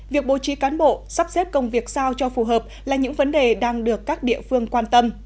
việc bố trí cán bộ sắp xếp công việc sao cho phù hợp là những vấn đề đang được các địa phương quan tâm